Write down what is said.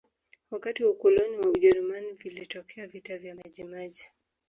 wakati wa ukoloni wa ujerumani vilitokea vita vya majimaji